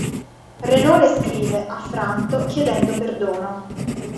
Renaud le scrive, affranto, chiedendo perdono.